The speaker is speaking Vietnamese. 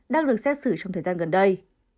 đang được xét xử trong thời gian gần đây